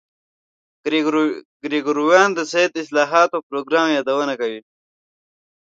ګریګوریان د سید د اصلاحاتو پروګرام یادونه کوي.